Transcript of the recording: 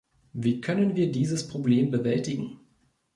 Wie können wir dieses Problem bewältigen?